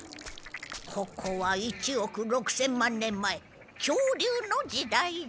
ここは１億６，０００万年前恐竜の時代じゃ。